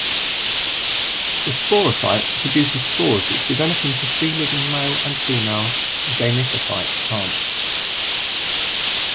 The sporophyte produces spores which develop into free-living male and female gametophyte plants.